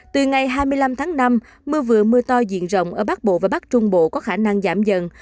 từ ngày hai mươi năm tháng năm mưa vừa mưa to diện rộng ở bắc bộ và bắc trung bộ có khả năng giảm dần